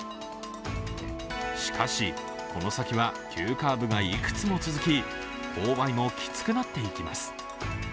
しかし、この先は急カーブがいくつも続き、勾配もきつくなっていきます。